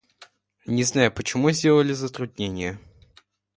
Не знаю, почему сделали затруднение.